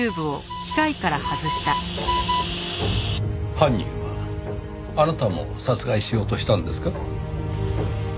犯人はあなたも殺害しようとしたんですか？